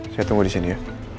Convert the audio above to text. saya tunggu disini ya